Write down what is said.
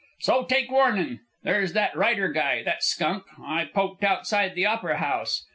"So take warnin'. There's that writer guy, that skunk I poked outside the Opera House.